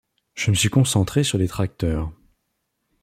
je me suis concentré sur les tracteurs.